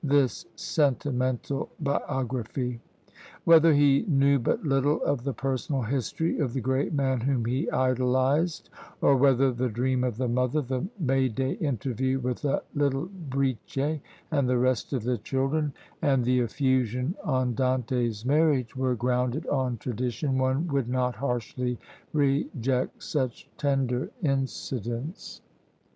this sentimental biography! Whether he knew but little of the personal history of the great man whom he idolised, or whether the dream of the mother the May day interview with the little Bricè, and the rest of the children and the effusion on Dante's marriage, were grounded on tradition, one would not harshly reject such tender incidents.